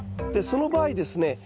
でその場合ですね